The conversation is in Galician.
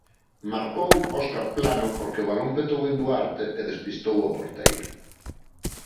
Marcou Óscar Plano porque o balón petou en Duarte e despistou o porteiro.